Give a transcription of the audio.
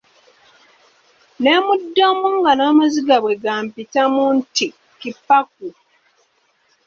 Ne mmuddamu nga n'amaziga bwe gampitamu nti, Ki-pa-ku.